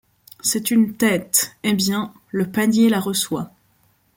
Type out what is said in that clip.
C'est une tête. Eh bien, le panier la reçoit.